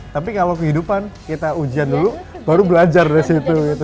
tapi kalau kehidupan kita ujian dulu baru belajar dari situ gitu